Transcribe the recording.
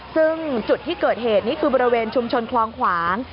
ซึ่งจุดที่เกิดเหตุนี่คือบริเวณชุมชนคลองขวาง